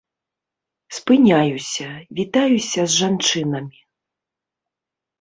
Спыняюся, вітаюся з жанчынамі.